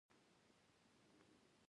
آزاد تجارت مهم دی ځکه چې تبعیض مخنیوی کوي.